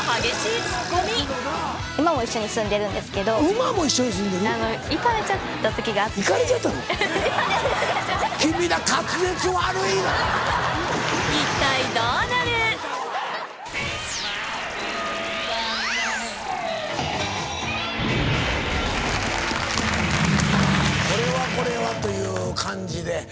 まぁこれはこれはという感じで。